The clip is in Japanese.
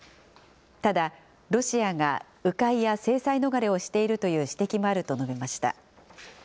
ただ、ロシアがう回や制裁逃れをしているという指摘もあると述べました。